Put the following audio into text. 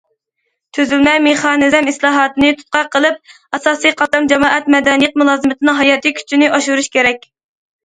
تۈزۈلمە مېخانىزم ئىسلاھاتىنى تۇتقا قىلىپ، ئاساسىي قاتلام جامائەت مەدەنىيەت مۇلازىمىتىنىڭ ھاياتىي كۈچىنى ئاشۇرۇش كېرەك.